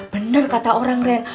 bener kata orang ren